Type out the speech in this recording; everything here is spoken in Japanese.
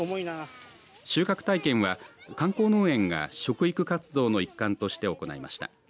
収穫体験は観光農園が食育活動の一環として行いました。